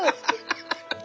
ハハハハ。